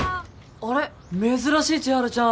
あれっ珍しい千春ちゃん